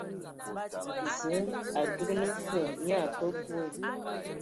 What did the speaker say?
Zǝǝ a dugan fǝg nye kǝ bwe.